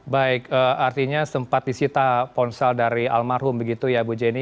baik artinya sempat disita ponsel dari almarhum begitu ya bu jenny